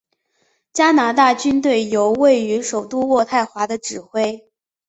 加拿大军队由位于首都渥太华的指挥。